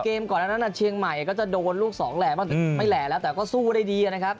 ก่อนนั้นเชียงใหม่ก็จะโดนลูกสองแหล่บ้างไม่แหล่แล้วแต่ก็สู้ได้ดีนะครับ